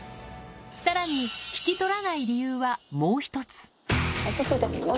さらに、引き取らない理由はもう１つ。